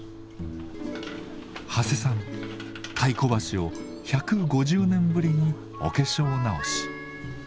長谷さん太鼓橋を１５０年ぶりにお化粧直し。